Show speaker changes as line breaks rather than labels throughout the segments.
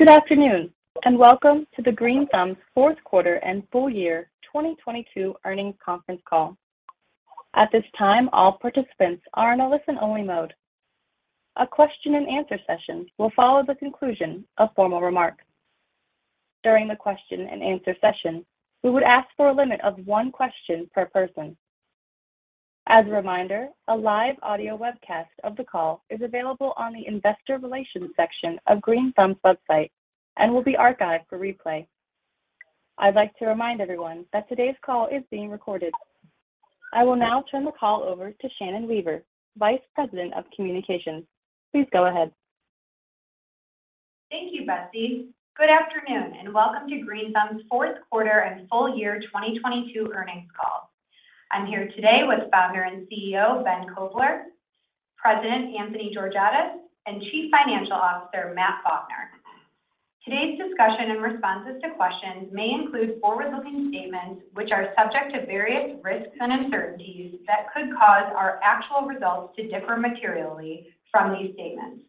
Good afternoon, and welcome to the Green Thumb's fourth quarter and full year 2022 earnings conference call. At this time, all participants are in a listen-only mode. A question and answer session will follow the conclusion of formal remarks. During the question-and-answer session, we would ask for a limit of one question per person. As a reminder, a live audio webcast of the call is available on the investor relations section of Green Thumb's website and will be archived for replay. I'd like to remind everyone that today's call is being recorded. I will now turn the call over to Shannon Weaver, Vice President of Communications. Please go ahead.
Thank you, Betsy. Good afternoon, and welcome to Green Thumb's fourth quarter and full year 2022 earnings call. I'm here today with founder and CEO, Ben Kovler, President Anthony Georgiadis, and Chief Financial Officer, Matt Faulkner. Today's discussion and responses to questions may include forward-looking statements which are subject to various risks and uncertainties that could cause our actual results to differ materially from these statements.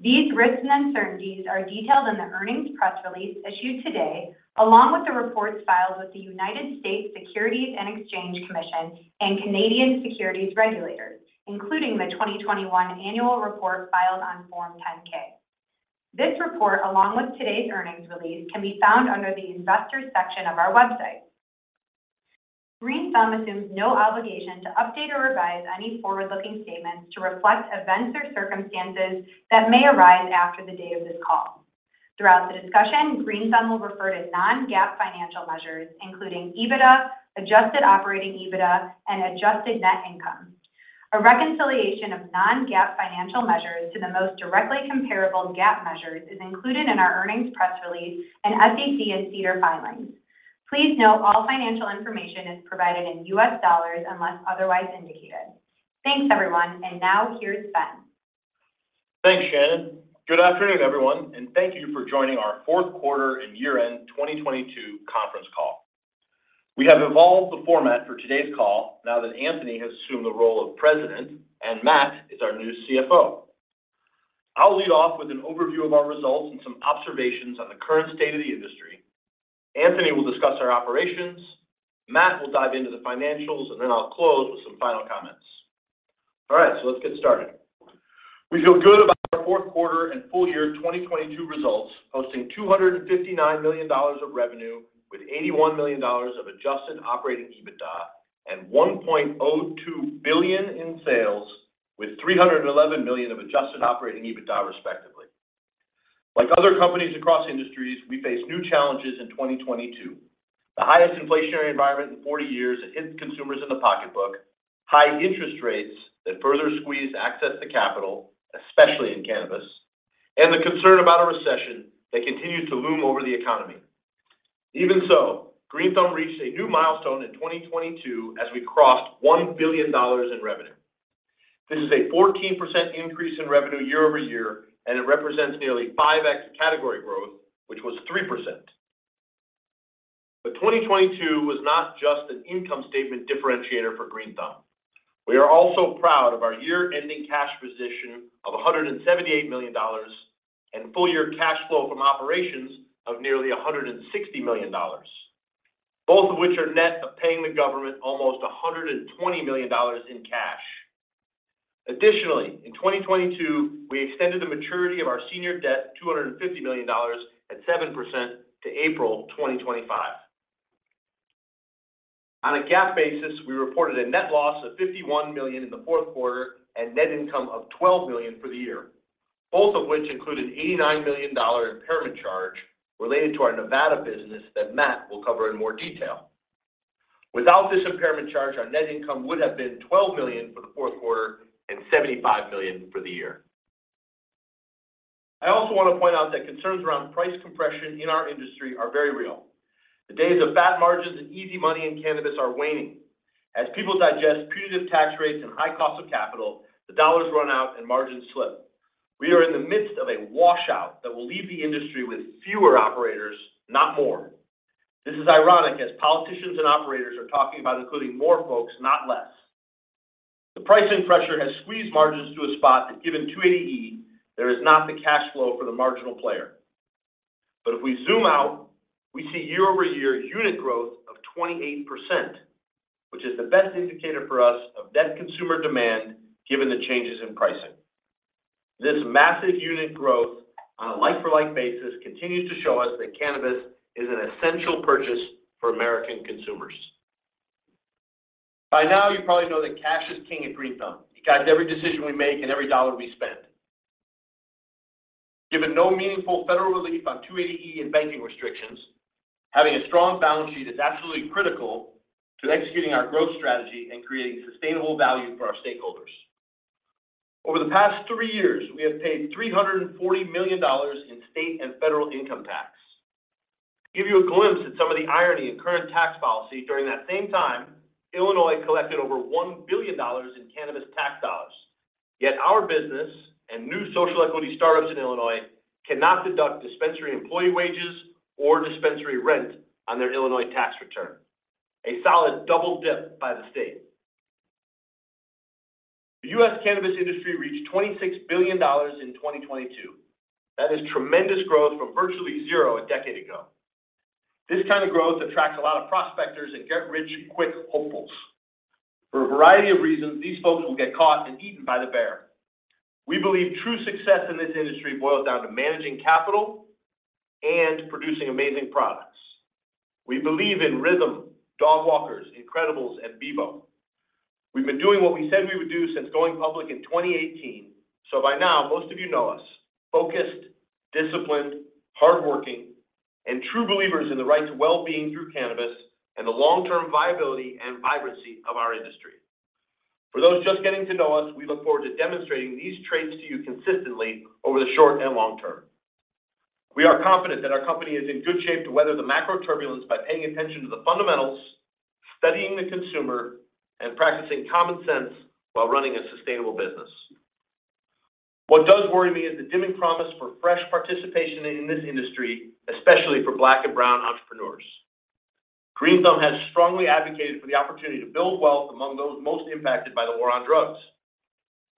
These risks and uncertainties are detailed in the earnings press release issued today, along with the reports filed with the United States Securities and Exchange Commission and Canadian Securities Regulators, including the 2021 annual report filed on Form 10-K. This report, along with today's earnings release, can be found under the investors section of our website. Green Thumb assumes no obligation to update or revise any forward-looking statements to reflect events or circumstances that may arise after the day of this call. Throughout the discussion, Green Thumb will refer to non-GAAP financial measures, including EBITDA, adjusted operating EBITDA, and adjusted net income. A reconciliation of non-GAAP financial measures to the most directly comparable GAAP measures is included in our earnings press release and SEC and SEDAR filings. Please note all financial information is provided in U.S. Dollars unless otherwise indicated. Thanks, everyone. Now, here's Ben.
Thanks, Shannon. Good afternoon, everyone, and thank you for joining our fourth quarter and year-end 2022 conference call. We have evolved the format for today's call now that Anthony has assumed the role of President and Matt is our new CFO. I'll lead off with an overview of our results and some observations on the current state of the industry. Anthony will discuss our operations, Matt will dive into the financials, and then I'll close with some final comments. All right, let's get started. We feel good about our fourth quarter and full year 2022 results, hosting $259 million of revenue with $81 million of adjusted operating EBITDA and $1.02 billion in sales with $311 million of adjusted operating EBITDA, respectively. Like other companies across industries, we face new challenges in 2022. The highest inflationary environment in 40 years that hits consumers in the pocketbook, high interest rates that further squeeze access to capital, especially in cannabis, and the concern about a recession that continued to loom over the economy. Even so, Green Thumb reached a new milestone in 2022 as we crossed $1 billion in revenue. This is a 14% increase in revenue year-over-year, and it represents nearly 5x category growth, which was 3%. 2022 was not just an income statement differentiator for Green Thumb. We are also proud of our year-ending cash position of $178 million and full-year cash flow from operations of nearly $160 million, both of which are net of paying the government almost $120 million in cash. Additionally, in 2022, we extended the maturity of our senior debt, $250 million at 7% to April 2025. On a GAAP basis, we reported a net loss of $51 million in the fourth quarter and net income of $12 million for the year, both of which included $89 million impairment charge related to our Nevada business that Matt will cover in more detail. Without this impairment charge, our net income would have been $12 million for the fourth quarter and $75 million for the year. I also want to point out that concerns around price compression in our industry are very real. The days of fat margins and easy money in cannabis are waning. As people digest punitive tax rates and the high cost of capital, the dollars run out and margins slip. We are in the midst of a washout that will leave the industry with fewer operators, not more. This is ironic as politicians and operators are talking about including more folks, not less. The pricing pressure has squeezed margins to a spot that given 280E, there is not the cash flow for the marginal player. If we zoom out, we see year-over-year unit growth of 28%, which is the best indicator for us of debt consumer demand given the changes in pricing. This massive unit growth on a like for like basis continues to show us that cannabis is an essential purchase for American consumers. By now you probably know that cash is king at Green Thumb. It guides every decision we make and every dollar we spend. Given no meaningful federal relief on 280E and banking restrictions, having a strong balance sheet is absolutely critical to executing our growth strategy and creating sustainable value for our stakeholders. Over the past three years, we have paid $340 million in state and federal income tax. To give you a glimpse at some of the irony in current tax policy during that same time, Illinois collected over $1 billion in cannabis tax dollars. Our business and new social equity startups in Illinois cannot deduct dispensary employee wages or dispensary rent on their Illinois tax return. A solid double dip by the state. The U.S. cannabis industry reached $26 billion in 2022. That is tremendous growth from virtually zero a decade ago. This kind of growth attracts a lot of prospectors and get-rich-quick hopefuls. For a variety of reasons, these folks will get caught and eaten by the bear. We believe true success in this industry boils down to managing capital and producing amazing products. We believe in Rythm, Dogwalkers, Incredibles, and Beboe. We've been doing what we said we would do since going public in 2018. By now, most of you know us: focused, disciplined, hardworking, and true believers in the right to well-being through cannabis and the long-term viability and vibrancy of our industry. For those just getting to know us, we look forward to demonstrating these traits to you consistently over the short and long term. We are confident that our company is in good shape to weather the macro turbulence by paying attention to the fundamentals, studying the consumer, and practicing common sense while running a sustainable business. What does worry me is the dimming promise for fresh participation in this industry, especially for Black and Brown entrepreneurs. Green Thumb has strongly advocated for the opportunity to build wealth among those most impacted by the war on drugs.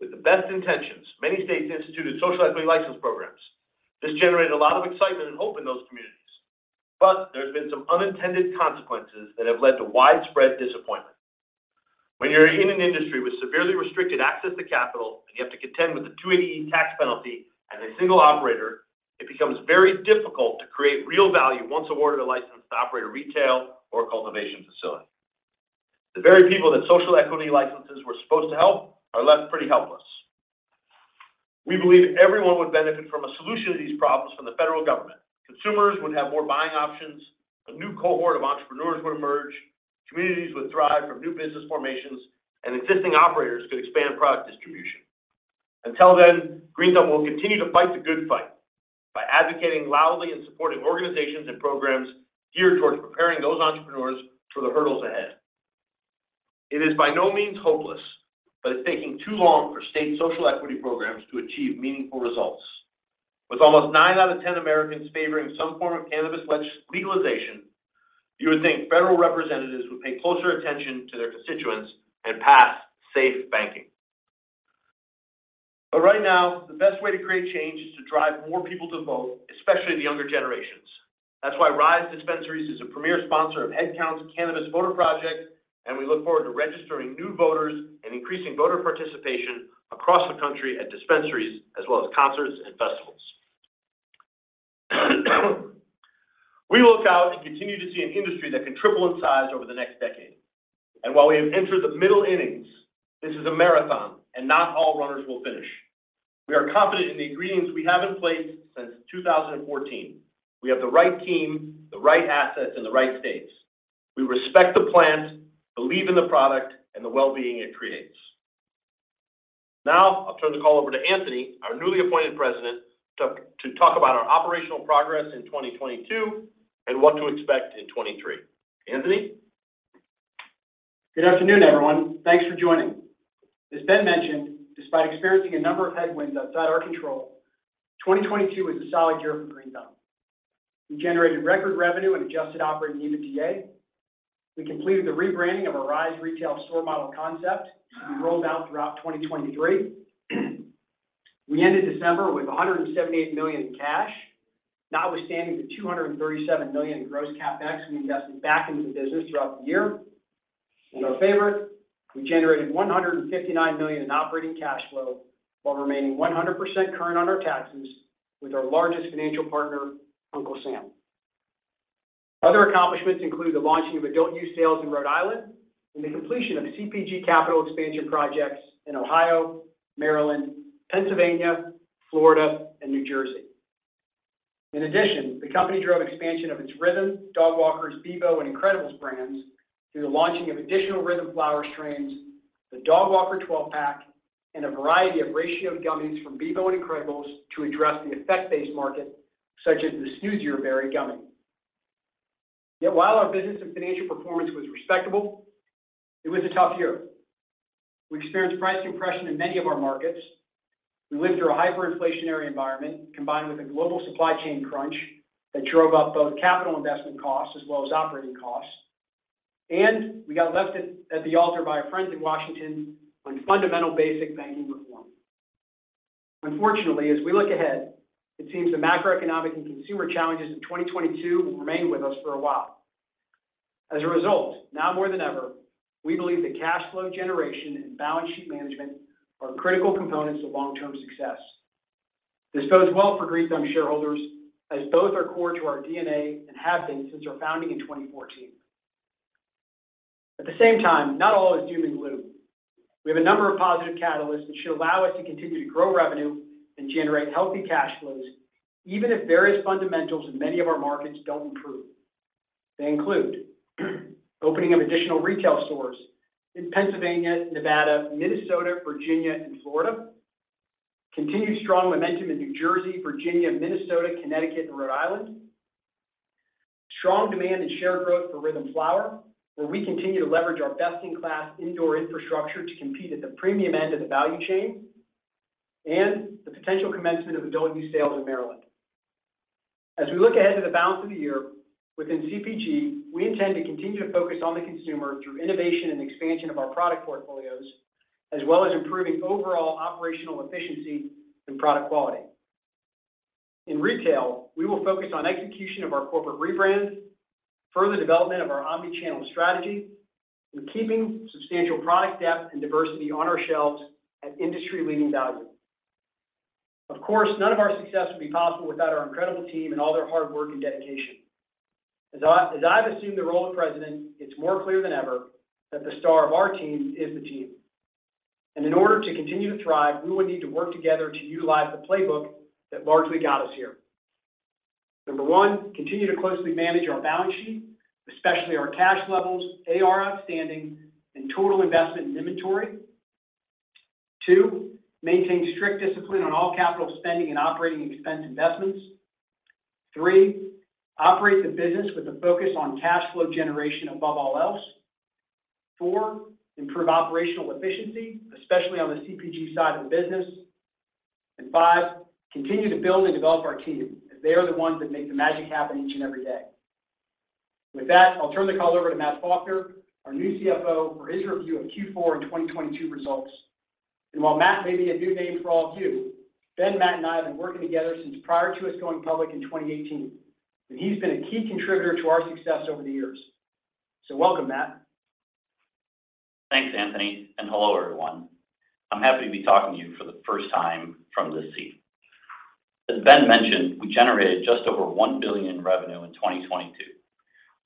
With the best intentions, many states instituted social equity license programs. This generated a lot of excitement and hope in those communities, there's been some unintended consequences that have led to widespread disappointment. When you're in an industry with severely restricted access to capital, and you have to contend with a 280E tax penalty as a single operator, it becomes very difficult to create real value once awarded a license to operate a retail or cultivation facility. The very people that social equity licenses were supposed to help are left pretty helpless. We believe everyone would benefit from a solution to these problems from the federal government. Consumers would have more buying options, a new cohort of entrepreneurs would emerge, communities would thrive from new business formations, existing operators could expand product distribution. Until then, Green Thumb will continue to fight the good fight by advocating loudly and supporting organizations and programs geared towards preparing those entrepreneurs for the hurdles ahead. It is by no means hopeless, but it's taking too long for state social equity programs to achieve meaningful results. With almost nine out of 10 Americans favoring some form of cannabis legalization, you would think federal representatives would pay closer attention to their constituents and pass SAFE Banking. Right now, the best way to create change is to drive more people to vote, especially the younger generations. That's why RISE Dispensaries is a premier sponsor of HeadCount's Cannabis Voter Project. We look forward to registering new voters and increasing voter participation across the country at dispensaries as well as concerts and festivals. We look out and continue to see an industry that can triple in size over the next decade. While we have entered the middle innings, this is a marathon, and not all runners will finish. We are confident in the ingredients we have in place since 2014. We have the right team, the right assets, and the right states. We respect the plant, believe in the product, and the well-being it creates. I'll turn the call over to Anthony, our newly appointed President, to talk about our operational progress in 2022 and what to expect in 2023. Anthony.
Good afternoon, everyone. Thanks for joining. As Ben mentioned, despite experiencing a number of headwinds outside our control, 2022 was a solid year for Green Thumb. We generated record revenue and adjusted operating EBITDA. We completed the rebranding of our RISE retail store model concept to be rolled out throughout 2023. We ended December with $178 million in cash, notwithstanding the $237 million in gross CapEx we invested back into the business throughout the year. In our favor, we generated $159 million in operating cash flow while remaining 100% current on our taxes with our largest financial partner, Uncle Sam. Other accomplishments include the launching of adult-use sales in Rhode Island and the completion of CPG capital expansion projects in Ohio, Maryland, Pennsylvania, Florida, and New Jersey. In addition, the company drove expansion of its Rythm, Dogwalkers, Beboe, and Incredibles brands through the launching of additional Rythm Flower strains, the Dogwalkers twelve-pack, and a variety of ratioed gummies from Beboe and Incredibles to address the effect-based market, such as the Incredibles Snoozeberry gummy. While our business and financial performance was respectable, it was a tough year. We experienced price compression in many of our markets. We lived through a hyperinflationary environment combined with a global supply chain crunch that drove up both capital investment costs as well as operating costs. We got left at the altar by our friends in Washington on fundamental, basic banking reform. Unfortunately, as we look ahead, it seems the macroeconomic and consumer challenges of 2022 will remain with us for a while. As a result, now more than ever, we believe that cash flow generation and balance sheet management are critical components of long-term success. This bodes well for Green Thumb shareholders, as both are core to our DNA and have been since our founding in 2014. At the same time, not all is doom and gloom. We have a number of positive catalysts that should allow us to continue to grow revenue and generate healthy cash flows, even if various fundamentals in many of our markets don't improve. They include the opening of additional retail stores in Pennsylvania, Nevada, Minnesota, Virginia, and Florida. Continued strong momentum in New Jersey, Virginia, Minnesota, Connecticut, and Rhode Island. Strong demand and share growth for Rythm Flower, where we continue to leverage our best-in-class indoor infrastructure to compete at the premium end of the value chain. The potential commencement of adult-use sales in Maryland. As we look ahead to the balance of the year within CPG, we intend to continue to focus on the consumer through innovation and expansion of our product portfolios, as well as improving overall operational efficiency and product quality. In retail, we will focus on execution of our corporate rebrand, further development of our omni-channel strategy, and keeping substantial product depth and diversity on our shelves at industry-leading value. Of course, none of our success would be possible without our incredible team and all their hard work and dedication. As I've assumed the role of president, it's more clear than ever that the star of our team is the team. In order to continue to thrive, we would need to work together to utilize the playbook that largely got us here. Number one, continue to closely manage our balance sheet, especially our cash levels, AR outstanding, and total investment in inventory. Two, maintain strict discipline on all capital spending and operating expense investments. Three, operate the business with a focus on cash flow generation above all else. Four, improve operational efficiency, especially on the CPG side of the business. Five, continue to build and develop our team, as they are the ones that make the magic happen each and every day. With that, I'll turn the call over to Matt Faulkner, our new CFO, for his review of Q4 and 2022 results. While Matt may be a new name for all of you, Ben, Matt, and I have been working together since prior to us going public in 2018, and he's been a key contributor to our success over the years. Welcome, Matt.
Thanks, Anthony, and hello, everyone. I'm happy to be talking to you for the first time from this seat. As Ben mentioned, we generated just over $1 billion in revenue in 2022,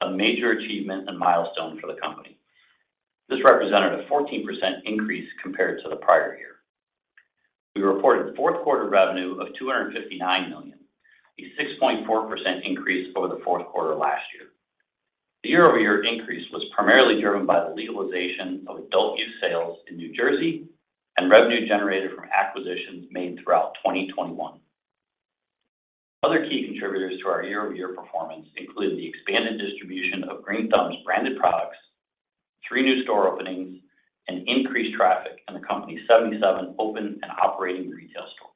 a major achievement and milestone for the company. This represented a 14% increase compared to the prior year. We reported fourth quarter revenue of $259 million, a 6.4% increase over the fourth quarter last year. The year-over-year increase was primarily driven by the legalization of adult-use sales in New Jersey and revenue generated from acquisitions made throughout 2021. Other key contributors to our year-over-year performance included the expanded distribution of Green Thumb's branded products, three new store openings, and increased traffic in the company's 77 open and operating retail stores.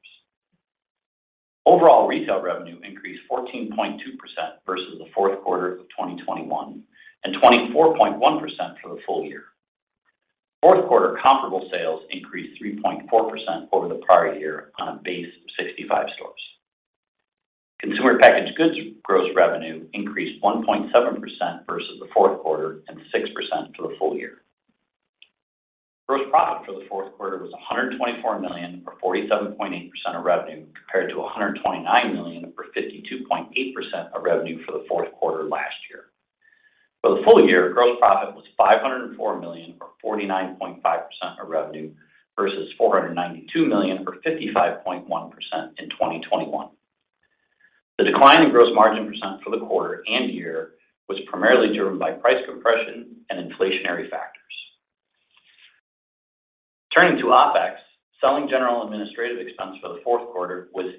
Overall retail revenue increased 14.2% versus the fourth quarter of 2021, and 24.1% for the full year. Fourth quarter comparable sales increased 3.4% over the prior year on a base of 65 stores. Consumer packaged goods gross revenue increased 1.7% versus the fourth quarter and 6% for the full year. Gross profit for the fourth quarter was $124 million, or 47.8% of revenue, compared to $129 million for 52.8% of revenue for the fourth quarter last year. For the full year, gross profit was $504 million, or 49.5% of revenue, versus $492 million, or 55.1% in 2021. The decline in gross margin percent for the quarter and year was primarily driven by price compression and inflationary factors. Turning to OpEx, selling general administrative expense for the fourth quarter was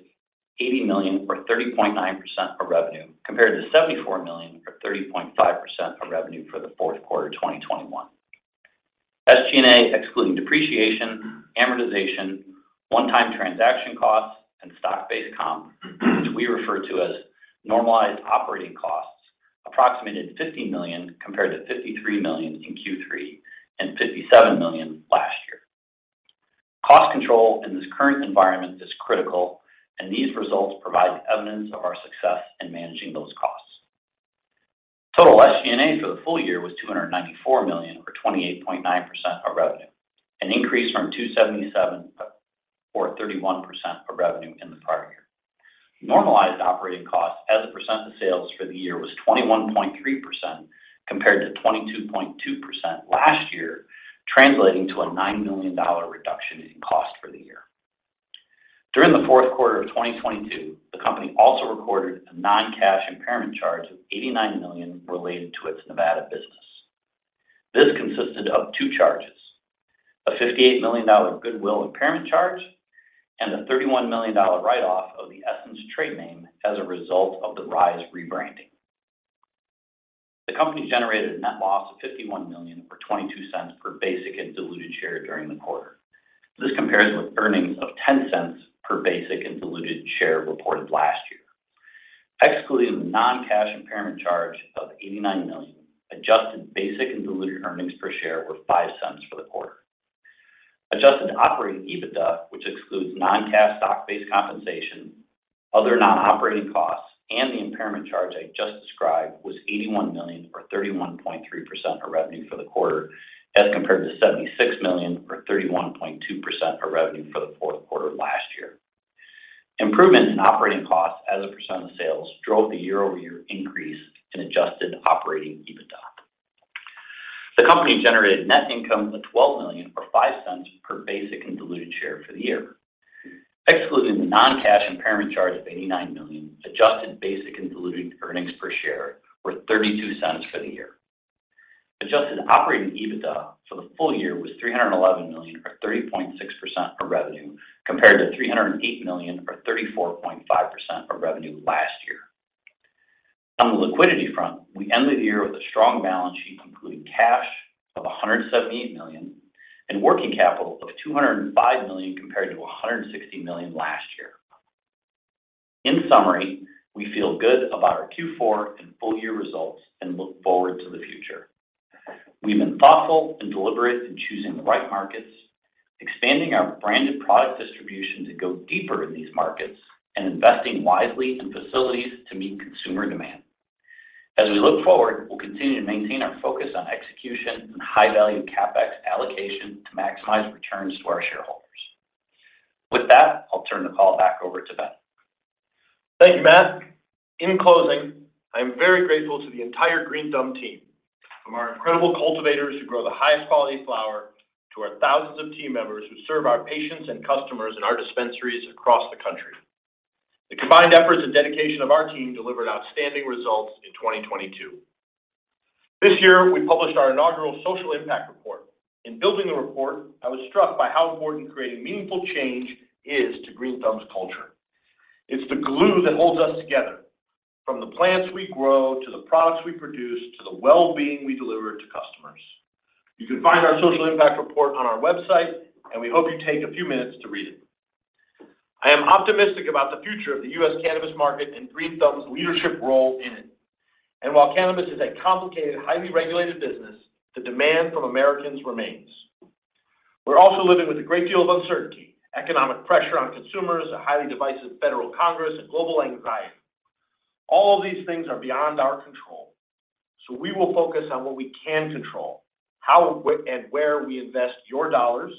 $80 million, or 30.9% of revenue, compared to $74 million, or 30.5% of revenue for the fourth quarter 2021. SG&A, excluding depreciation, amortization, one-time transaction costs, and stock-based comp, which we refer to as normalized operating costs, approximated $50 million compared to $53 million in Q3 and $57 million last year. Cost control in this current environment is critical. These results provide evidence of our success in managing those costs. Total SG&A for the full year was $294 million, or 28.9% of revenue, an increase from $277 million, or 31% of revenue in the prior year. Normalized operating costs as a percent of sales for the year was 21.3% compared to 22.2% last year, translating to a $9 million reduction in cost for the year. During the fourth quarter of 2022, the company also recorded a non-cash impairment charge of $89 million related to its Nevada business. This consisted of two charges: a $58 million goodwill impairment charge and a $31 million write-off of the Essence trade name as a result of the RISE rebranding. The company generated a net loss of $51 million, or $0.22 per basic and diluted share, during the quarter. This compares with earnings of $0.10 per basic and diluted share reported last year. Excluding the non-cash impairment charge of $89 million, adjusted basic and diluted earnings per share were $0.05 for the quarter. Adjusted operating EBITDA, which excludes non-cash stock-based compensation, other non-operating costs, and the impairment charge I just described, was $81 million, or 31.3% of revenue for the quarter, as compared to $76 million, or 31.2% of revenue for the fourth quarter last year. Improvements in operating costs as a percent of sales drove the year-over-year increase in adjusted operating EBITDA. The company generated net income of $12 million, or $0.05 per basic and diluted share for the year. Excluding the non-cash impairment charge of $89 million, adjusted basic and diluted earnings per share were $0.32 for the year. Adjusted operating EBITDA for the full year was $311 million, or 30.6% of revenue, compared to $308 million, or 34.5% of revenue last year. On the liquidity front, we end the year with a strong balance sheet, including cash of $178 million and working capital of $205 million compared to $160 million last year. In summary, we feel good about our Q4 and full-year results and look forward to the future. We've been thoughtful and deliberate in choosing the right markets, expanding our branded product distribution to go deeper in these markets, and investing wisely in facilities to meet consumer demand. As we look forward, we'll continue to maintain our focus on execution and high-value CapEx allocation to maximize returns to our shareholders. With that, I'll turn the call back over to Ben.
Thank you, Matt. In closing, I am very grateful to the entire Green Thumb team, from our incredible cultivators who grow the highest quality flower to our thousands of team members who serve our patients and customers in our dispensaries across the country. The combined efforts and dedication of our team delivered outstanding results in 2022. This year, we published our inaugural social impact report. In building the report, I was struck by how important creating meaningful change is to Green Thumb's culture. It's the glue that holds us together, from the plants we grow, to the products we produce, to the well-being we deliver to customers. You can find our social impact report on our website, and we hope you take a few minutes to read it. I am optimistic about the future of the U.S. cannabis market and Green Thumb's leadership role in it. While cannabis is a complicated, highly regulated business, the demand from Americans remains. We're also living with a great deal of uncertainty, economic pressure on consumers, a highly divisive federal Congress, and global anxiety. All of these things are beyond our control. We will focus on what we can control, how and where we invest your dollars,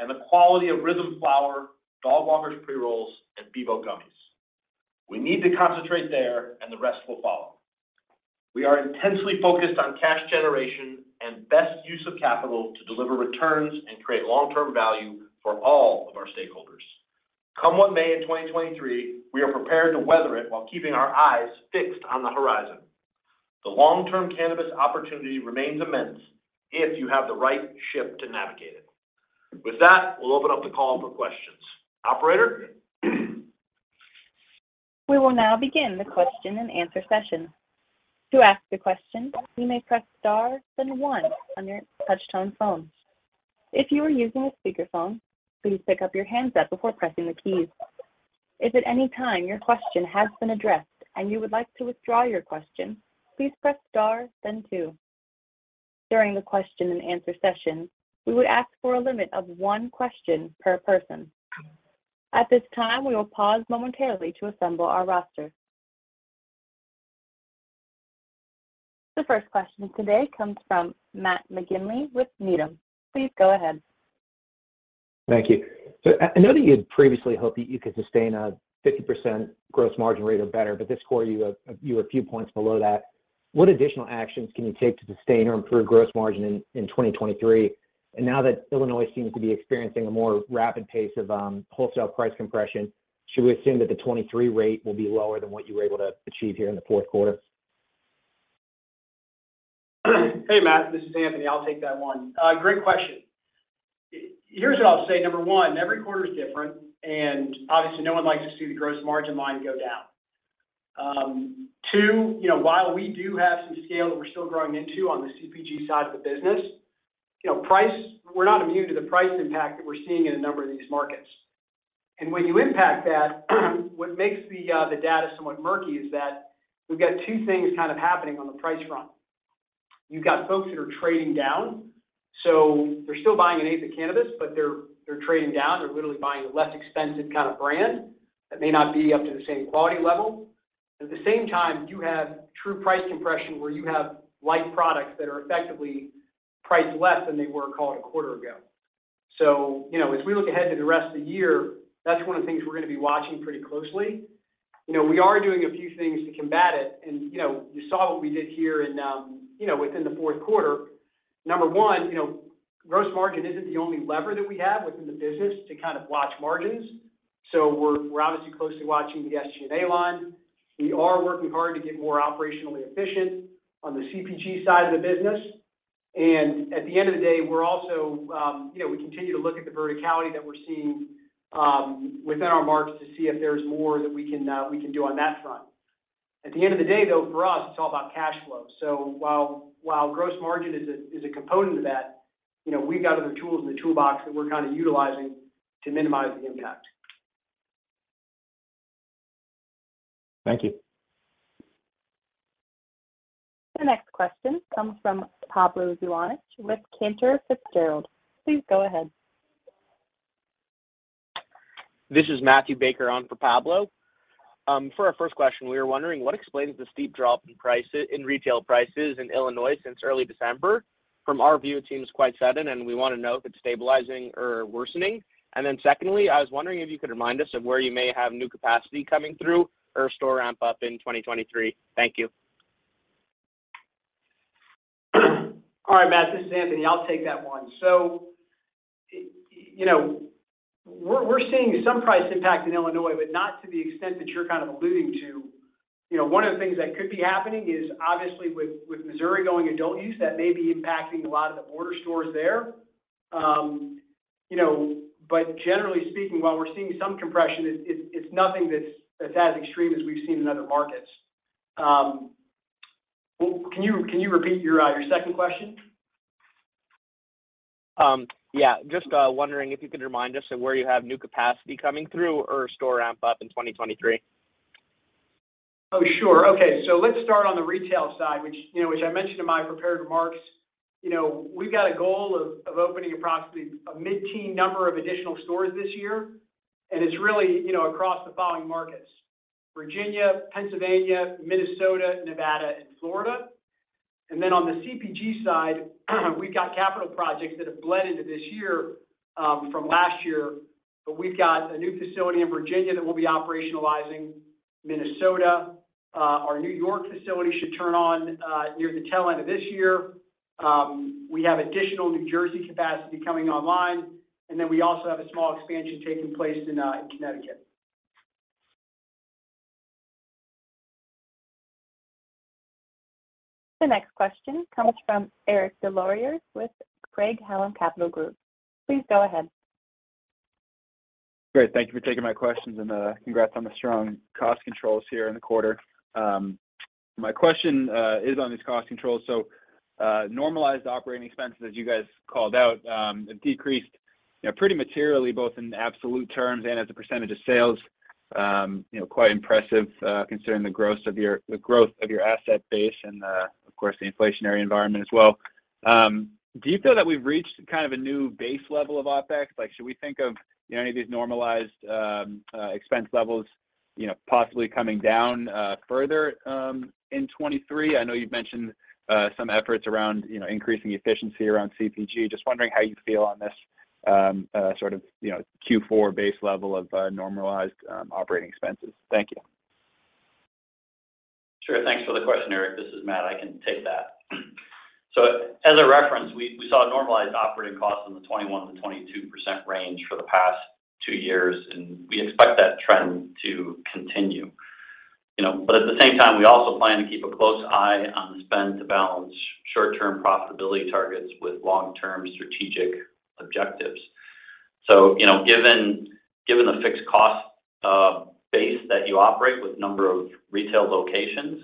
and the quality of Rythm Flower, Dogwalkers Pre-Rolls, and Beboe Gummies. We need to concentrate there, the rest will follow. We are intensely focused on cash generation and best use of capital to deliver returns and create long-term value for all of our stakeholders. Come what may in 2023, we are prepared to weather it while keeping our eyes fixed on the horizon. The long-term cannabis opportunity remains immense if you have the right ship to navigate it. With that, we'll open up the call for questions. Operator?
We will now begin the question-and-answer session. To ask a question, you may press star then one on your touch-tone phone. If you are using a speakerphone, please pick up your handset before pressing the keys. If at any time your question has been addressed and you would like to withdraw your question, please press star then two. During the question-and-answer session, we would ask for a limit of one question per person. At this time, we will pause momentarily to assemble our roster. The first question today comes from Matt McGinley with Needham. Please go ahead.
Thank you. I know that you had previously hoped that you could sustain a 50% gross margin rate or better, but this quarter you were a few points below that. What additional actions can you take to sustain or improve gross margin in 2023? Now that Illinois seems to be experiencing a more rapid pace of wholesale price compression, should we assume that the 2023 rate will be lower than what you were able to achieve here in the fourth quarter?
Hey, Matt, this is Anthony Georgiadis. I'll take that one. Great question. Here's what I'll say. One, every quarter is different, and obviously, no one likes to see the gross margin line go down. Two, you know, while we do have some scale that we're still growing into on the CPG side of the business, you know, we're not immune to the price impact that we're seeing in a number of these markets. When you impact that, what makes the data somewhat murky is that we've got two things kind of happening on the price front. You've got folks that are trading down, so they're still buying an eighth of cannabis, but they're trading down. They're literally buying a less expensive kind of brand that may not be up to the same quality level. At the same time, you have true price compression, where you have like products that are effectively priced less than they were, call it a quarter ago. You know, as we look ahead to the rest of the year, that's one of the things we're gonna be watching pretty closely. You know, we are doing a few things to combat it, and, you know, you saw what we did here in, you know, within the fourth quarter. Number one, you know, gross margin isn't the only lever that we have within the business to kind of watch margins. We're obviously closely watching the SG&A line. We are working hard to get more operationally efficient on the CPG side of the business. At the end of the day, we're also, you know, we continue to look at the verticality that we're seeing, within our markets to see if there's more that we can do on that front. At the end of the day, though, for us, it's all about cash flow. While gross margin is a component of that, you know, we've got other tools in the toolbox that we're kinda utilizing to minimize the impact.
Thank you.
The next question comes from Pablo Zuanic with Cantor Fitzgerald. Please go ahead.
This is Matthew Baker on for Pablo. For our first question, we were wondering what explains the steep drop in retail prices in Illinois since early December? From our view, it seems quite sudden, and we wanna know if it's stabilizing or worsening. Secondly, I was wondering if you could remind us of where you may have new capacity coming through or store ramp up in 2023. Thank you.
All right, Matt, this is Anthony. I'll take that one. You know, we're seeing some price impact in Illinois, but not to the extent that you're kind of alluding to. You know, one of the things that could be happening is obviously with Missouri going adult-use, that may be impacting a lot of the border stores there. You know, generally speaking, while we're seeing some compression, it's nothing that's as extreme as we've seen in other markets. Can you repeat your second question?
Just wondering if you could remind us of where you have new capacity coming through or store ramp-up in 2023?
Oh, sure. Okay. Let's start on the retail side, which, you know, which I mentioned in my prepared remarks. You know, we've got a goal of opening approximately a mid-teen number of additional stores this year, and it's really, you know, across the following markets: Virginia, Pennsylvania, Minnesota, Nevada, and Florida. On the CPG side, we've got capital projects that have bled into this year from last year. We've got a new facility in Virginia that will be operationalizing Minnesota. Our New York facility should turn on near the tail end of this year. We have additional New Jersey capacity coming online, and then we also have a small expansion taking place in Connecticut.
The next question comes from Eric Des Lauriers with Craig-Hallum Capital Group. Please go ahead.
Great. Thank you for taking my questions, and congrats on the strong cost controls here in the quarter. My question is on these cost controls. Normalized operating expenses, as you guys called out, have decreased, you know, pretty materially, both in absolute terms and as a percentage of sales. You know, quite impressive, considering the growth of your asset base and of course, the inflationary environment as well. Do you feel that we've reached kind of a new base level of OpEx? Like, should we think of, you know, any of these normalized expense levels, you know, possibly coming down further in 2023? I know you've mentioned some efforts around, you know, increasing efficiency around CPG. Just wondering how you feel on this, sort of, you know, Q4 base level of normalized operating expenses. Thank you.
Sure. Thanks for the question, Eric. This is Matt. I can take that. As a reference, we saw normalized operating costs in the 21%-22% range for the past two years, and we expect that trend to continue. You know, at the same time, we also plan to keep a close eye on the spend to balance short-term profitability targets with long-term strategic objectives. You know, given the fixed cost base that you operate with number of retail locations,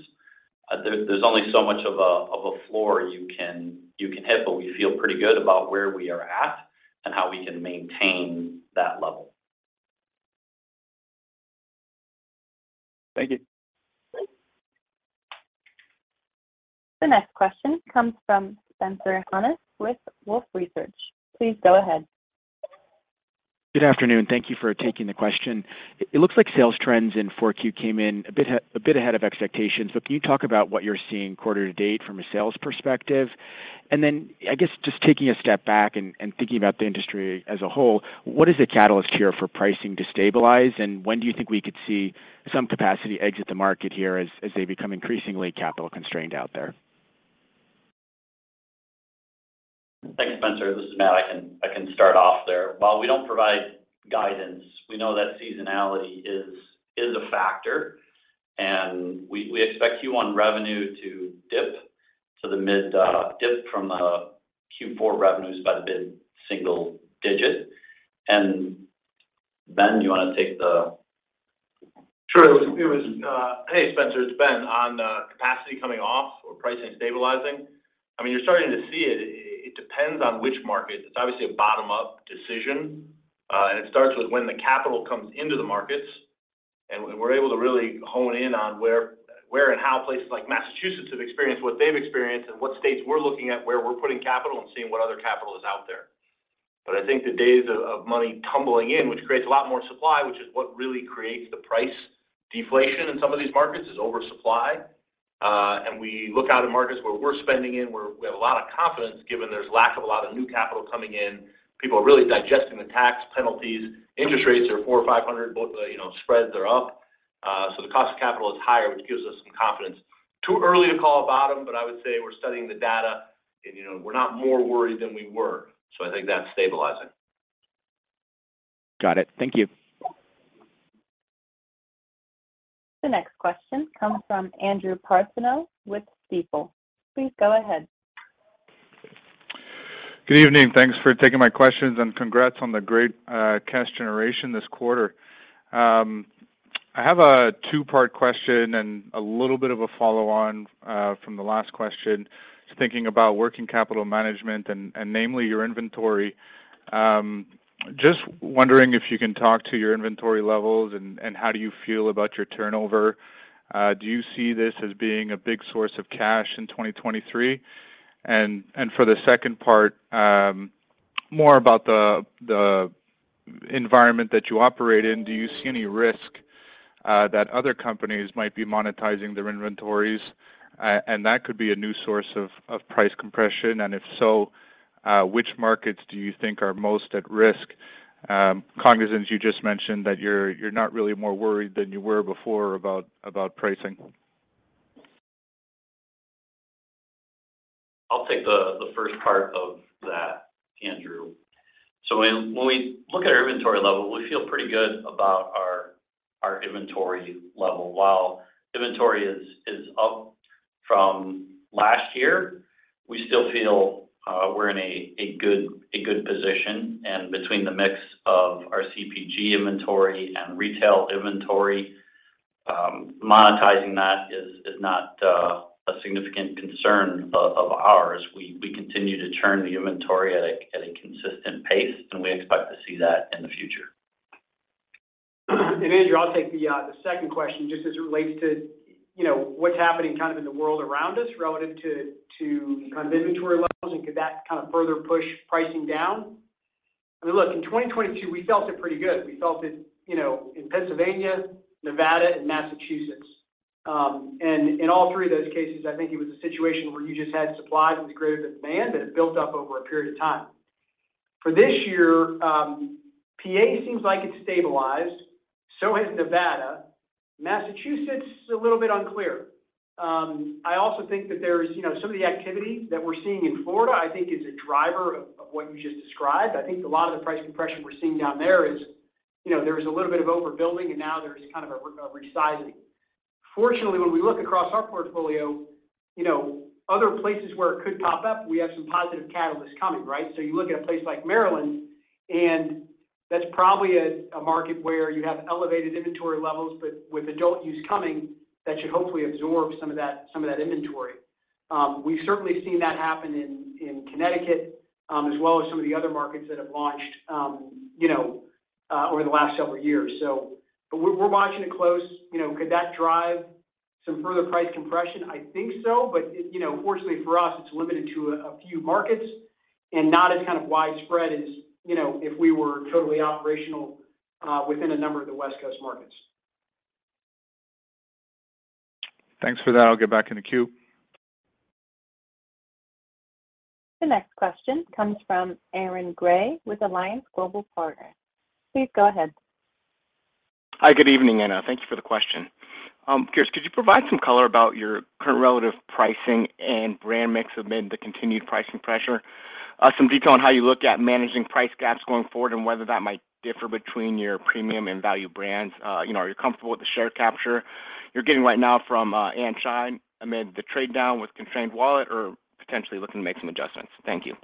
there's only so much of a floor you can hit, but we feel pretty good about where we are at and how we can maintain that level.
Thank you.
The next question comes from Spencer Hanus with Wolfe Research. Please go ahead.
Good afternoon. Thank you for taking the question. It looks like sales trends in 4Q came in a bit ahead of expectations. Can you talk about what you're seeing quarter to date from a sales perspective? I guess just taking a step back and thinking about the industry as a whole, what is the catalyst here for pricing to stabilize, and when do you think we could see some capacity exit the market here as they become increasingly capital-constrained out there?
Thanks, Spencer. This is Matt. I can start off there. While we don't provide guidance, we know that seasonality is a factor, and we expect Q1 revenue to dip from the Q4 revenues by the mid-single digit. Ben, do you wanna take the...
Sure. It was... Hey, Spencer. It's Ben. On capacity coming off or pricing stabilizing, I mean, you're starting to see it. It depends on which market. It's obviously a bottom-up decision, and it starts with when the capital comes into the markets, and we're able to really hone in on where and how places like Massachusetts have experienced what they've experienced and what states we're looking at, where we're putting capital and seeing what other capital is out there. I think the days of money tumbling in, which creates a lot more supply, which is what really creates the price deflation in some of these markets, is oversupply. We look out at markets where we're spending in, where we have a lot of confidence, given there's lack of a lot of new capital coming in. People are really digesting the tax penalties. Interest rates are 400 or 500. Both the, you know, spreads are up. The cost of capital is higher, which gives us some confidence. Too early to call a bottom, I would say we're studying the data and, you know, we're not more worried than we were, I think that's stabilizing.
Got it. Thank you.
The next question comes from Andrew Partheniou with Stifel. Please go ahead.
Good evening. Thanks for taking my questions, and congrats on the great cash generation this quarter. I have a two-part question and a little bit of a follow-on from the last question. Just thinking about working capital management and namely your inventory. Just wondering if you can talk to your inventory levels and how do you feel about your turnover. Do you see this as being a big source of cash in 2023? For the second part, more about the environment that you operate in. Do you see any risk that other companies might be monetizing their inventories, and that could be a new source of price compression? If so, which markets do you think are most at risk? Cognizant you just mentioned that you're not really more worried than you were before about pricing.
I'll take the first part of that, Andrew. When we look at our inventory level, we feel pretty good about our inventory level. While inventory is up from last year, we still feel we're in a good position. Between the mix of our CPG inventory and retail inventory, monetizing that is not a significant concern of ours. We continue to turn the inventory at a consistent pace, and we expect to see that in the future.
Andrew, I'll take the second question just as it relates to, you know, what's happening kind of in the world around us relative to kind of inventory levels, and could that kind of further push pricing down. I mean, look, in 2022 we felt it pretty good. We felt it, you know, in Pennsylvania, Nevada and Massachusetts. In all three of those cases, I think it was a situation where you just had supply that was greater than demand, and it built up over a period of time. For this year, PA seems like it's stabilized, so has Nevada. Massachusetts is a little bit unclear. I also think that there's, you know, some of the activity that we're seeing in Florida, I think is a driver of what you just described. I think a lot of the price compression we're seeing down there is, you know, there was a little bit of overbuilding and now there's kind of a resizing. Fortunately, when we look across our portfolio, you know, other places where it could pop up, we have some positive catalysts coming, right? You look at a place like Maryland, and that's probably a market where you have elevated inventory levels, but with adult-use coming, that should hopefully absorb some of that inventory. We've certainly seen that happen in Connecticut, as well as some of the other markets that have launched, you know, over the last several years. We're, we're watching it close. You know, could that drive some further price compression? I think so. You know, fortunately for us, it's limited to a few markets and not as kind of widespread as, you know, if we were totally operational, within a number of the West Coast markets.
Thanks for that. I'll get back in the queue.
The next question comes from Aaron Grey with Alliance Global Partners. Please go ahead.
Hi. Good evening. Thank you for the question. Curious, could you provide some color about your current relative pricing and brand mix amid the continued pricing pressure? Some detail on how you look at managing price gaps going forward, and whether that might differ between your premium and value brands. You know, are you comfortable with the share capture you're getting right now from &Shine amid the trade-down with constrained wallet or potentially looking to make some adjustments? Thank you.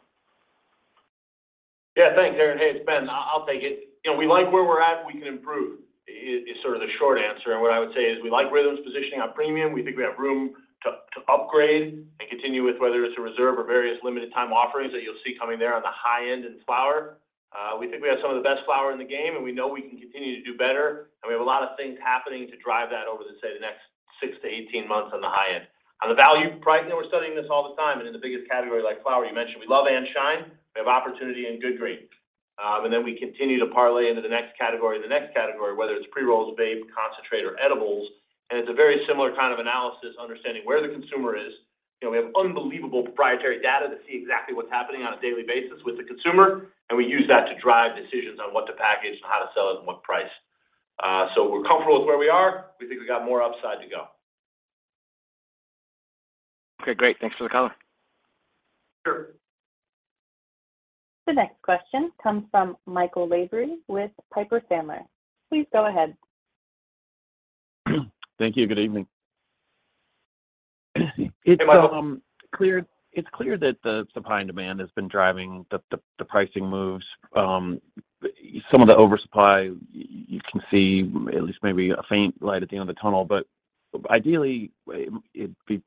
Yeah. Thanks, Aaron. Hey, it's Ben. I'll take it. You know, we like where we're at and we can improve is sort of the short answer. What I would say is we like Rythm's positioning on premium. We think we have room to upgrade and continue with, whether it's a reserve or various limited time offerings that you'll see coming there on the high end in flower. We think we have some of the best flower in the game, and we know we can continue to do better, and we have a lot of things happening to drive that over the, say, the next 6 to 18 months on the high end. On the value pricing, we're studying this all the time, and in the biggest category like flower, you mentioned we love &Shine, we have opportunity in Good Green. We continue to parlay into the next category or the next category, whether it's pre-rolls, vape, concentrate or edibles. It's a very similar kind of analysis, understanding where the consumer is. You know, we have unbelievable proprietary data to see exactly what's happening on a daily basis with the consumer, and we use that to drive decisions on what to package and how to sell it and what price. We're comfortable with where we are. We think we got more upside to go.
Okay, great. Thanks for the color.
Sure.
The next question comes from Michael Lavery with Piper Sandler. Please go ahead.
Thank you. Good evening.
Hey, Michael.
It's clear, it's clear that the supply and demand has been driving the pricing moves. Some of the oversupply, you can see at least maybe a faint light at the end of the tunnel, but ideally it'd be,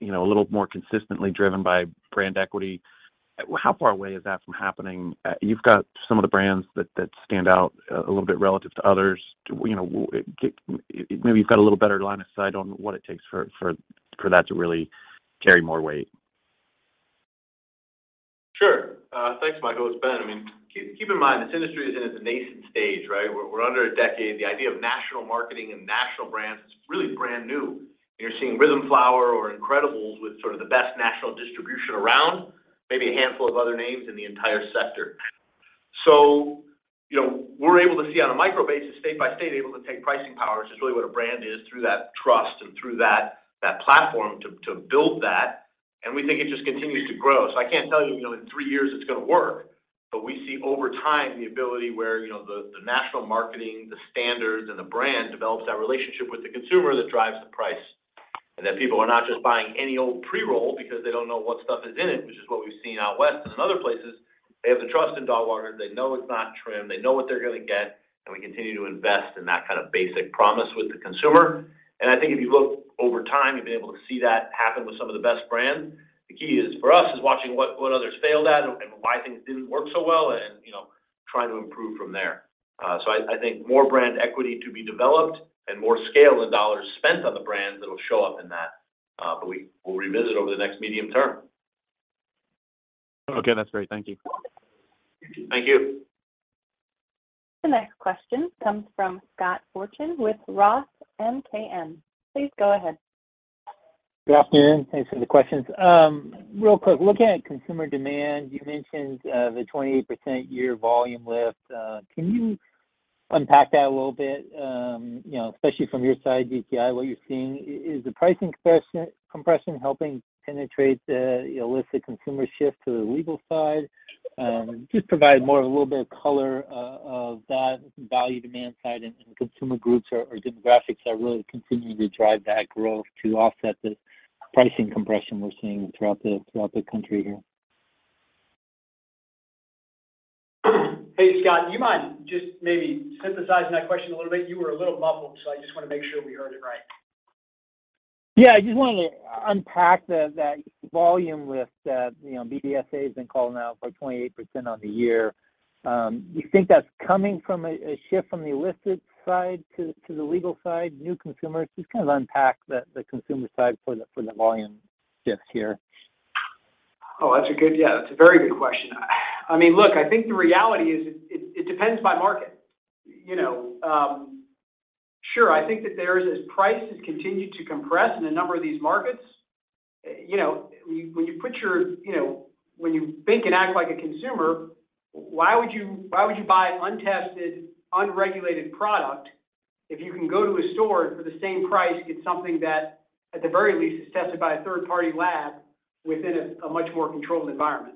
you know, a little more consistently driven by brand equity. How far away is that from happening? You've got some of the brands that stand out a little bit relative to others. Do you know, maybe you've got a little better line of sight on what it takes for that to really carry more weight?
Sure. Thanks, Michael. It's Ben. I mean, keep in mind, this industry is in its nascent stage, right? We're under a decade. The idea of national marketing and national brands is really brand new. You're seeing Rythm Flower or Incredibles with sort of the best national distribution around, maybe a handful of other names in the entire sector. You know, we're able to see on a micro basis, state by state, able to take pricing power, which is really what a brand is through that trust and through that platform to build that. We think it just continues to grow. I can't tell you know, in three years it's gonna work, but we see over time the ability where, you know, the national marketing, the standards and the brand develops that relationship with the consumer that drives the price. That people are not just buying any old pre-roll because they don't know what stuff is in it, which is what we've seen out west and in other places. They have the trust in Dogwalkers. They know it's not trim, they know what they're gonna get, and we continue to invest in that kind of basic promise with the consumer. I think if you look over time, you've been able to see that happen with some of the best brands. The key is for us, is watching what others failed at and why things didn't work so well and, you know, trying to improve from there. I think more brand equity to be developed and more scale and dollars spent on the brands that'll show up in that, but we'll revisit over the next medium term.
Okay. That's great. Thank you.
Thank you.
The next question comes from Scott Fortune with Roth MKM. Please go ahead.
Good afternoon. Thanks for the questions. Real quick, looking at consumer demand, you mentioned the 28% year volume lift. Can you unpack that a little bit, you know, especially from your side, BTIG, what you're seeing. Is the pricing compression helping penetrate the illicit consumer shift to the legal side? Just provide more of a little bit of color of that value demand side and consumer groups or demographics that are really continuing to drive that growth to offset the pricing compression we're seeing throughout the country here.
Hey, Scott, do you mind just maybe synthesizing that question a little bit? You were a little muffled, so I just wanna make sure we heard it right.
Yeah. I just wanted to unpack that volume lift that, you know, BDSA has been calling out for 28% on the year. Do you think that's coming from a shift from the illicit side to the legal side, new consumers? Just kind of unpack the consumer side for the volume shift here.
That's a good. Yeah, that's a very good question. I mean, look, I think the reality is it depends by market. You know, sure, I think that there is, as prices continue to compress in a number of these markets, you know, when you put your. You know, when you think and act like a consumer, why would you, why would you buy an unregulated product if you can go to a store for the same price, get something that, at the very least, is tested by a third-party lab within a much more controlled environment?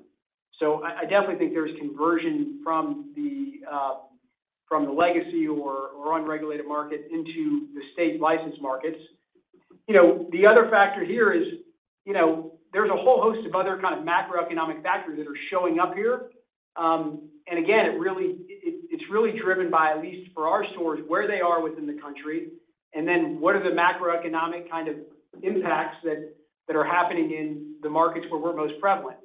I definitely think there's conversion from the, from the legacy or unregulated market into the state-licensed markets. You know, the other factor here is, you know, there's a whole host of other kind of macroeconomic factors that are showing up here. Again, it really, it's really driven by, at least for our stores, where they are within the country, and then what are the macroeconomic kind of impacts that are happening in the markets where we're most prevalent.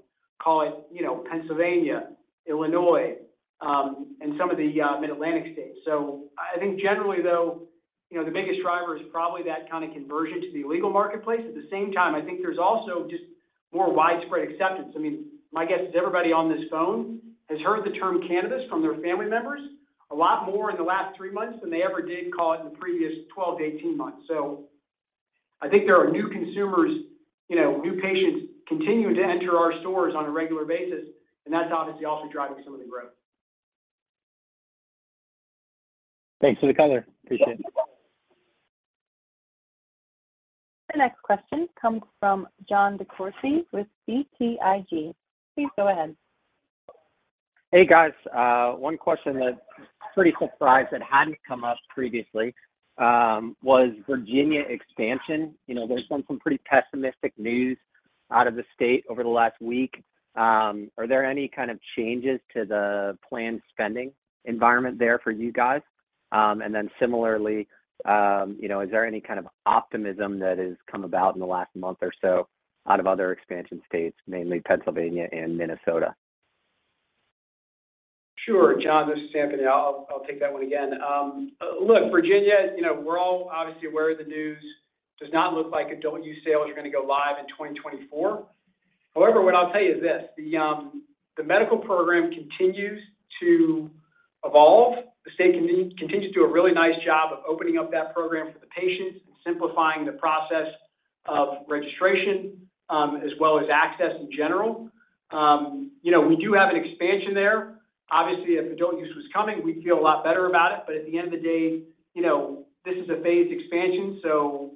Call it, you know, Pennsylvania, Illinois, and some of the Mid-Atlantic states. I think generally though, you know, the biggest driver is probably that kind of conversion to the illegal marketplace. At the same time, I think there's also just more widespread acceptance. I mean, my guess is everybody on this phone has heard the term cannabis from their family members a lot more in the last three months than they ever did, call it, in the previous 12 to 18 months. I think there are new consumers, you know, new patients continuing to enter our stores on a regular basis, and that's obviously also driving some of the growth.
Thanks for the color. Appreciate it.
The next question comes from Jon DeCourcey with BTIG. Please go ahead.
Hey, guys. One question that's pretty surprised that hadn't come up previously, was Virginia expansion. You know, there's been some pretty pessimistic news out of the state over the last week. Are there any kind of changes to the planned spending environment there for you guys? Similarly, you know, is there any kind of optimism that has come about in the last month or so out of other expansion states, mainly Pennsylvania and Minnesota?
Sure, Jon. This is Anthony. I'll take that one again. Look, Virginia, you know, we're all obviously aware of the news. Does not look like adult-use sales are gonna go live in 2024. However, what I'll tell you is this: the medical program continues to evolve. The state continues to do a really nice job of opening up that program for the patients and simplifying the process of registration, as well as access in general. You know, we do have an expansion there. Obviously, if adult-use was coming, we'd feel a lot better about it. At the end of the day, you know, this is a phased expansion,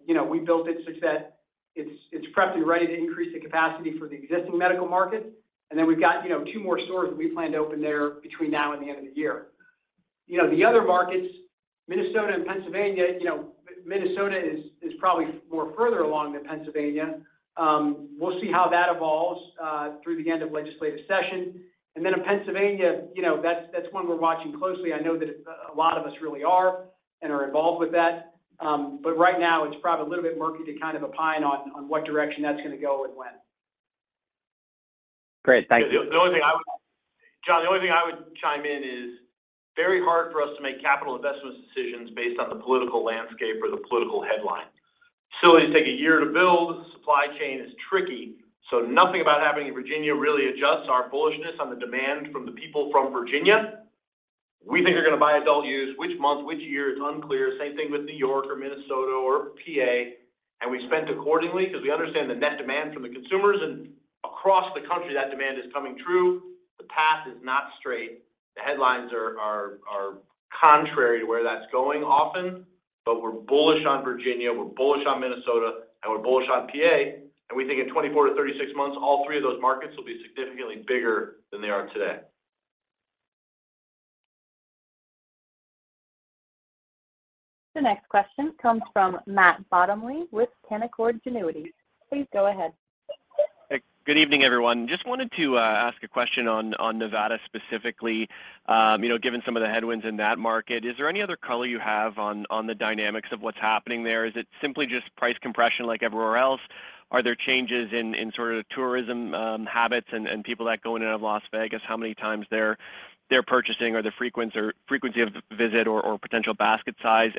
you know, we built it such that it's prepped and ready to increase the capacity for the existing medical market. We've got, you know, two more stores that we plan to open there between now and the end of the year. You know, the other markets, Minnesota and Pennsylvania, you know, Minnesota is probably more further along than Pennsylvania. We'll see how that evolves through the end of legislative session. In Pennsylvania, you know, that's one we're watching closely. I know that a lot of us really are and are involved with that. Right now, it's probably a little bit murky to kind of opine on what direction that's gonna go and when.
Great. Thank you.
The only thing I would chime in is very hard for us to make capital investments decisions based on the political landscape or the political headline. Facilities take a year to build. Supply chain is tricky. Nothing about happening in Virginia really adjusts our bullishness on the demand from the people from Virginia. We think they're gonna buy adult-use. Which month, which year, it's unclear. Same thing with New York or Minnesota or PA, we've spent accordingly because we understand the net demand from the consumers. Across the country, that demand is coming through. The path is not straight. The headlines are contrary to where that's going often, but we're bullish on Virginia, we're bullish on Minnesota, and we're bullish on PA, and we think in 24-36 months, all three of those markets will be significantly bigger than they are today.
The next question comes from Matt Bottomley with Canaccord Genuity. Please go ahead.
Hey, good evening, everyone. Just wanted to ask a question on Nevada specifically. You know, given some of the headwinds in that market, is there any other color you have on the dynamics of what's happening there? Is it simply just price compression like everywhere else? Are there changes in sort of tourism habits and people that go in and out of Las Vegas, how many times they're purchasing or the frequency of visit or potential basket size?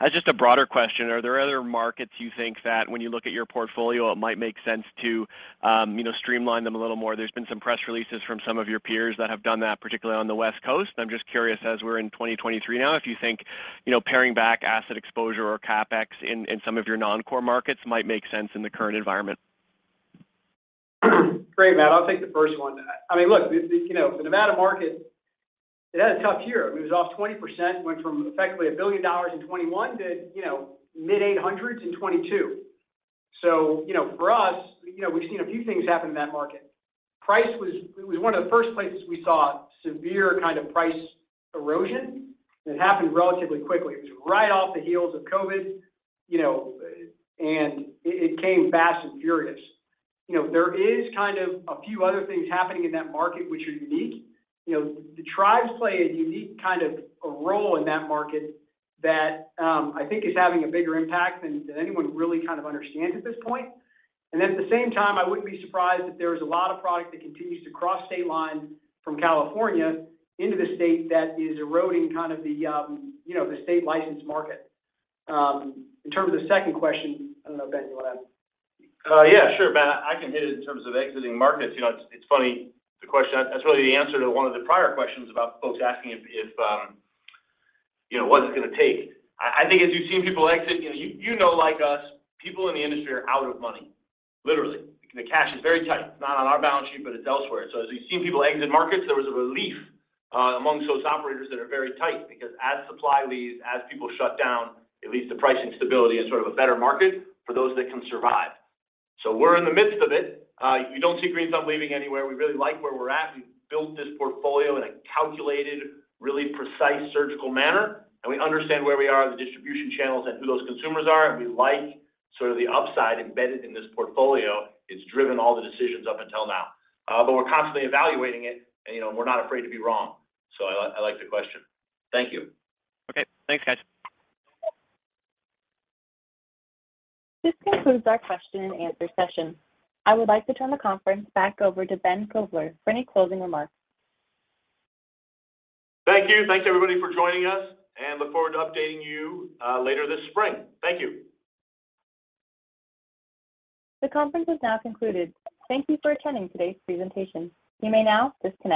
As just a broader question, are there other markets you think that when you look at your portfolio, it might make sense to, you know, streamline them a little more? There's been some press releases from some of your peers that have done that, particularly on the West Coast, and I'm just curious, as we're in 2023 now, if you think, you know, paring back asset exposure or CapEx in some of your non-core markets might make sense in the current environment.
Great, Matt. I'll take the first one. I mean, look, you know, the Nevada market, it had a tough year. It was off 20%, went from effectively $1 billion in 2021 to, you know, mid-$800 million in 2022. You know, for us, you know, we've seen a few things happen in that market. It was one of the first places we saw severe kind of price erosion. It happened relatively quickly. It was right off the heels of COVID, you know, it came fast and furious. You know, there is kind of a few other things happening in that market which are unique. You know, the tribes play a unique kind of a role in that market that I think is having a bigger impact than anyone really kind of understands at this point. At the same time, I wouldn't be surprised if there is a lot of product that continues to cross state lines from California into the state that is eroding kind of the, you know, the state license market. In terms of the second question, I don't know, Ben?
Yeah, sure, Matt. I can hit it in terms of exiting markets. You know, it's funny, the question. That's really the answer to one of the prior questions about folks asking if, you know, what's it gonna take. I think as you've seen people exit, you know, you know like us, people in the industry are out of money, literally. The cash is very tight, not on our balance sheet, but it's elsewhere. As we've seen people exit markets, there was a relief amongst those operators that are very tight because as supply leaves, as people shut down, at least the pricing stability is sort of a better market for those that can survive. We're in the midst of it. You don't see Green Thumb leaving anywhere. We really like where we're at. We've built this portfolio in a calculated, really precise surgical manner. We understand where we are in the distribution channels and who those consumers are. We like sort of the upside embedded in this portfolio. It's driven all the decisions up until now. We're constantly evaluating it and, you know, we're not afraid to be wrong. I like the question. Thank you.
Okay. Thanks, guys.
This concludes our question-and-answer session. I would like to turn the conference back over to Ben Kovler for any closing remarks.
Thank you. Thank you, everybody, for joining us, and look forward to updating you later this spring. Thank you.
The conference is now concluded. Thank you for attending today's presentation. You may now disconnect.